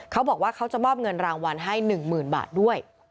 เขาบอกว่าเขาจะมอบเงินรางวัลให้๑๐๐๐บาทด้วย